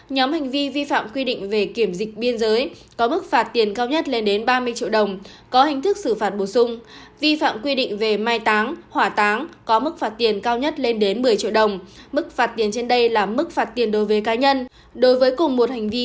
nhóm hành vi vi phạm quy định về giám sát bệnh truyền nhiễm có mức phạt tiền cao nhất lên đến hai mươi triệu đồng đối với mỗi hành vi